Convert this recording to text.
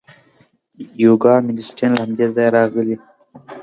یوګا او میډیټیشن له همدې ځایه راغلي.